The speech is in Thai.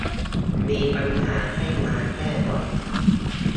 มีปัญหาให้มาแก้บ่อย